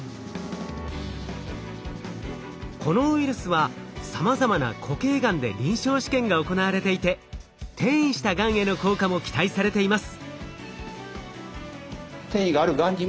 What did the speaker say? このウイルスはさまざまな固形がんで臨床試験が行われていて転移したがんへの効果も期待されています。